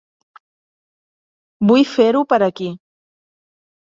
Vull fer-ho per aquí.